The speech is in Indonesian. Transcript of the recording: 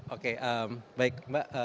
oke baik mbak